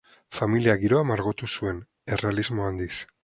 Familia-giroa margotu zuen, errealismo handiz.